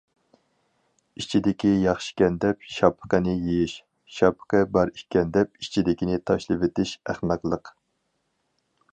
ئىچىدىكى ياخشىكەن دەپ شاپىقىنى يېيىش، شاپىقى بار ئىكەن دەپ ئىچىدىكىنى تاشلىۋېتىش ئەخمەقلىق.